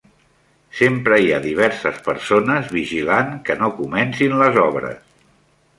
Sempre hi ha diverses persones vigilant que no comencin les obres.